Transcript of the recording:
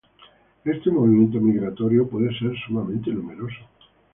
Este movimiento migratorio puede ser sumamente numeroso.